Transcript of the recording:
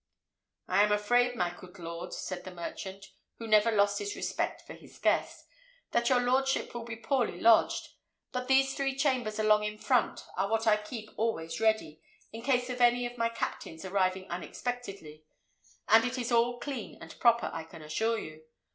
"I am afraid, my coot lord," said the merchant, who never lost his respect for his guest, "that your lordship will be poorly lodged; but these three chambers along in front are what I keep always ready, in case of any of my captains arriving unexpectedly, and it is all clean and proper, I can assure you.